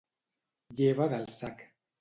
Lleva del sac.